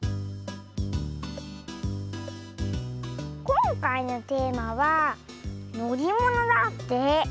こんかいのテーマは「のりもの」だって。